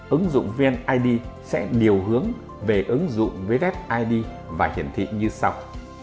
ứng dụng vnid sẽ điều hướng về ứng dụng vnid và hiển vị như sau